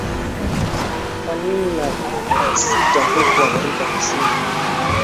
manini na sita huku afrika kusini